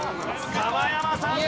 澤山さん